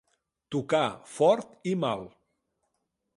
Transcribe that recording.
Tocar fort i mal.